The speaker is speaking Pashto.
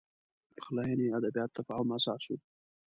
پخلاینې ادبیات تفاهم اساس و